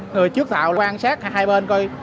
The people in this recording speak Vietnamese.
người trước tàu quan sát hai bên coi